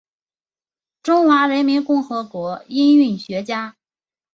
中华人民共和国音韵学家。